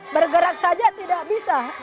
bergerak saja tidak bisa